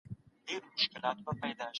ابونصر فارابي يو ستر مسلمان فيلسوف دی.